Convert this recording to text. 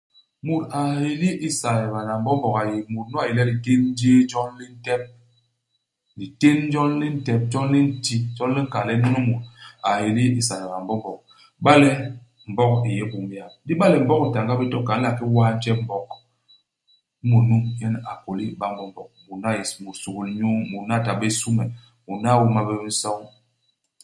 Mut a héli i saybana Mbombog a yé mut nu a yé le litén jéé jon li ntep. Litén jon li ntep, jon li nti. Jon li nkal le nunu mut a héli i saybana Mbombog. Iba le Mbog i yé i bum yap. Ndi iba le Mbog i ta nga bé to ki, a nla ki was njtep u Mbog. Imut nu nyen a kôli iba Mbombog. Mut nu a yé su mut suhul-nyuu. Mut nu a ta bé sume. Mut nu a ñôma bé minsoñ.